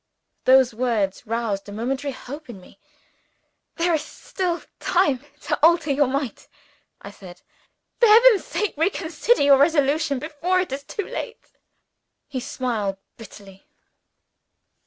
Those words roused a momentary hope in me. "There is time to alter your mind," I said. "For heaven's sake reconsider your resolution before it is too late!" He smiled bitterly.